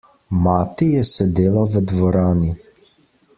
Mati je sedela v dvorani.